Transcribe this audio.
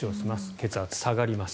血圧、下がります。